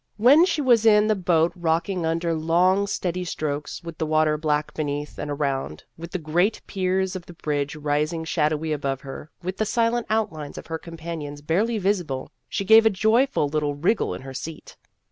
When she was in the boat rocking under long steady strokes, with the water black beneath and around, with the great piers of the bridge rising shadowy above her, with the silent outlines of her companions barely visible, she gave a joyful little wriggle in her seat.